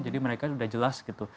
jadi mereka sudah jelas gitu